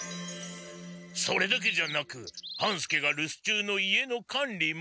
それだけじゃなく半助がるす中の家の管理も。